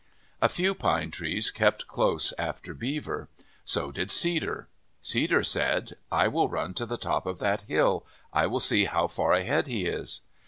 A few Pine Trees kept close after Beaver. So did Cedar. Cedar said, " I will run to the top of that hill. I will see how far ahead he is."